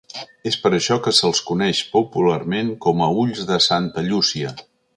És per això que se'ls coneix popularment com a ulls de Santa Llúcia.